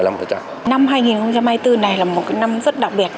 năm hai nghìn hai mươi bốn này là một năm rất đặc biệt